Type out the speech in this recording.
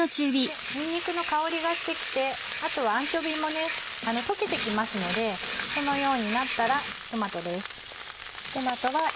にんにくの香りがしてきてあとはアンチョビーも溶けてきますのでそのようになったらトマトです。